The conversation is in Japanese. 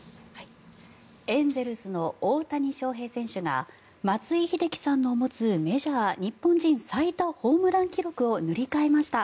エンゼルスの大谷翔平選手が松井秀喜さんの持つメジャー日本人最多ホームラン記録を塗り替えました。